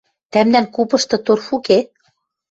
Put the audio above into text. — Тӓмдӓн купышты торф уке?